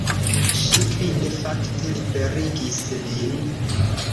Ŝi fine fakte liberigis lin.